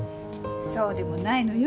そうでもないのよ。